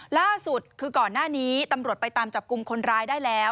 ล่าสุดคือก่อนหน้านี้ตำรวจไปตามจับกลุ่มคนร้ายได้แล้ว